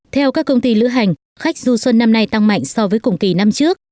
theo các công ty lưu hành khách dư xuân năm nay tăng mạnh so với cùng kỳ năm trước